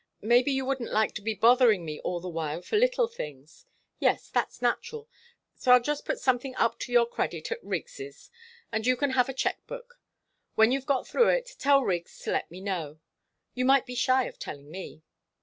Maybe you wouldn't like to be bothering me all the while for little things? Yes, that's natural; so I'll just put something up to your credit at Riggs's and you can have a cheque book. When you've got through it, tell Riggs to let me know. You might be shy of telling me."